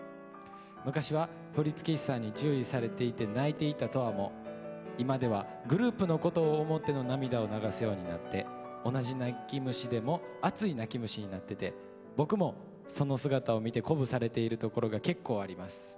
昔は振付師さんに注意されていて泣いていた斗亜も今ではグループのことを思っての涙を流すようになって同じ泣き虫でも熱い泣き虫になってて僕もその姿を見て鼓舞されているところが結構あります。